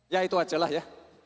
ya itu ajalah ya